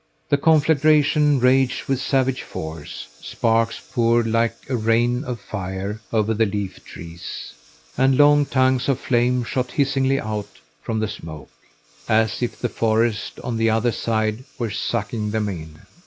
The conflagration raged with savage force, sparks poured like a rain of fire over the leaf trees, and long tongues of flame shot hissingly out from the smoke, as if the forest on the other side were sucking them in.